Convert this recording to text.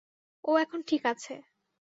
ও এখন ঠিক আছে।